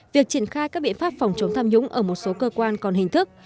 việc triển khai các biện pháp phòng chống tham nhũng ở một số cơ quan còn hình thức